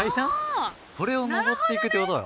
これを上っていくって事だろ。